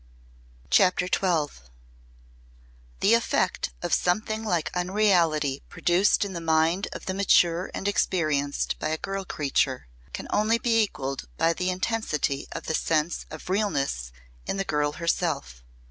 CHAPTER XII The effect of something like unreality produced in the mind of the mature and experienced by a girl creature, can only be equaled by the intensity of the sense of realness in the girl herself.